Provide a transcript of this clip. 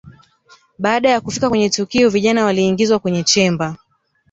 Baada ya kufika kwenye tukio vijana waliingizwa kwenye chemba